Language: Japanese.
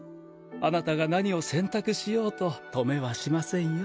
あなたが何を選択しようと止めはしませんよ。